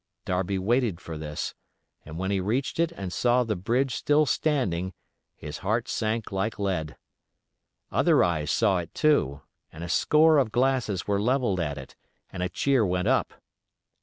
Darby waited for this, and when he reached it and saw the bridge still standing his heart sank like lead. Other eyes saw it too, and a score of glasses were levelled at it, and a cheer went up.